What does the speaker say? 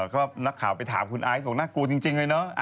ก็นักข่าวไปถามคุณไอซ์บอกน่ากลัวจริงเลยเนอะ